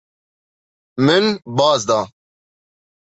Min baz da.